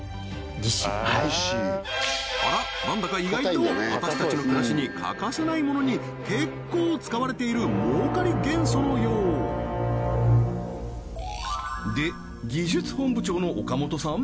義歯あら何だか意外と私たちの暮らしに欠かせないものに結構使われている儲かり元素のようで技術本部長の岡本さん